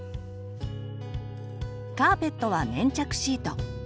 カーペットは粘着シート。